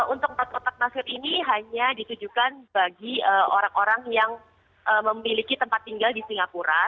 untuk empat kotak nasir ini hanya ditujukan bagi orang orang yang memiliki tempat tinggal di singapura